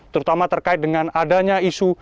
terutama terkait dengan adanya isu